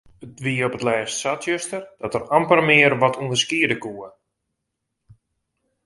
It wie op 't lêst sa tsjuster dat er amper mear wat ûnderskiede koe.